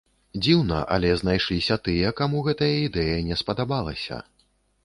Дзіўна, але знайшліся тыя, каму гэтая ідэя не спадабалася.